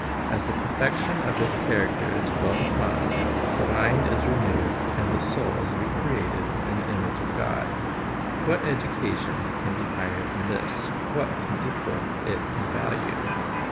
As the perfection of His character is dwelt upon, the mind is renewed, and the soul is re created in the image of God. What education can be higher than this? What can equal it in value?